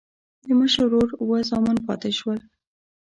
د مشر ورور اووه زامن پاتې شول.